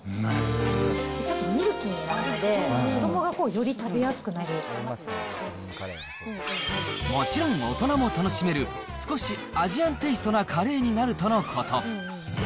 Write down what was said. ちょっとミルキーになるので、もちろん大人も楽しめる、少しアジアンテイストなカレーになるとのこと。